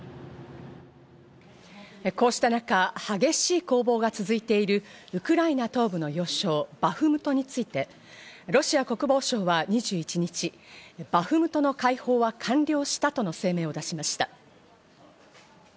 こうした中、激しい攻防が続いているウクライナ東部の要衝バフムトについて、ロシア国防省は２１日、バフムトの解放は完了したとの声明を出しました。